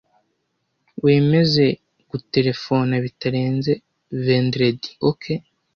Wemeze guterefona bitarenze vendredi, OK?